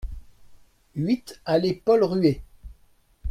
huit allée Paul Rué